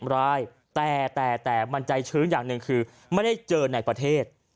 รายแต่มันใจชื้นอย่างหนึ่งคือไม่ได้เจอในประเทศ